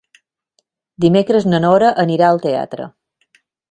Dimecres na Nora anirà al teatre.